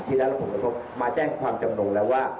ที่รัฐปรับประทบมาแจ้งความจำนวนแล้วว่า